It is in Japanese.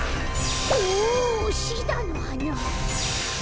おおシダのはな！